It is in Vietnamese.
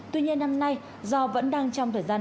tuy nhiên năm nay do vẫn đang trong thời gian